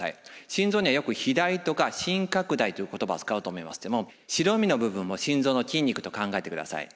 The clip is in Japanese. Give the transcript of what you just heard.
心臓にはよく肥大とか心拡大という言葉を使うと思いますけど白身の部分を心臓の筋肉と考えてください。